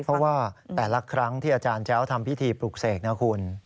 เพราะว่าแต่ละครั้งที่อาจารย์แจ้วทำพิธีปลุกเสกนะคุณ